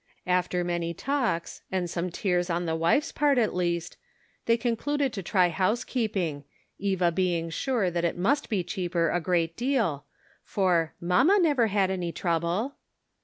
After many talks, and some tears on the wife's part, at least, they concluded to try housekeeping, Eva being sure that it must be cheaper a great deal, for " mamma never had any trouble."